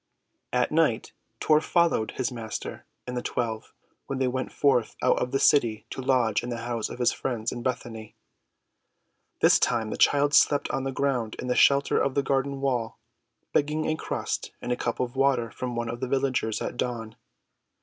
At night Tor followed his Master and the twelve when they went forth out of the city to lodge in the house of his friends in Bethany. This time the child slept on the ground in the shelter of the garden wall, begging a crust and a cup of water from one of the villagers at dawn.